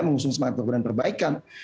mengusung semangat dan perbaikan